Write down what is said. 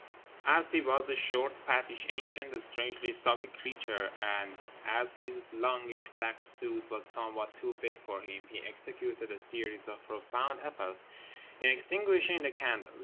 As he was a short, fattish, ancient, strangely soggy creature and as his longish black suit was somewhat too big for him, he executed a series of profound efforts in extinguishing the candles.